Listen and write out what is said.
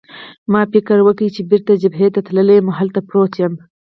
ما فکر وکړ چې بېرته جبهې ته تللی یم او هلته پروت یم.